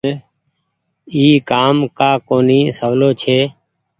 اي ڪآم ڪآ ڪونيٚ سولو ڇي۔